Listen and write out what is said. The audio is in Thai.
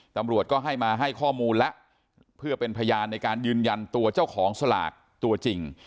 ตำรวจก็ให้มาให้ข้อมูลแล้วเพื่อเป็นพยานในการยืนยันตัวเจ้าของสลากตัวจริง